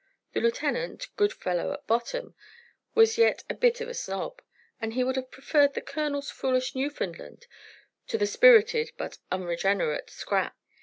The lieutenant, good fellow at bottom, was yet a bit of a snob, and he would have preferred the colonel's foolish Newfoundland to the spirited but unregenerate Scrap.